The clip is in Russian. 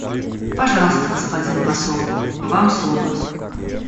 Пожалуйста, господин посол, вам слово.